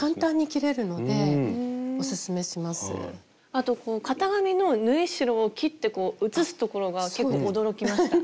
あと型紙の縫い代を切って写すところが結構驚きました。